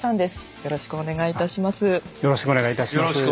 よろしくお願いします。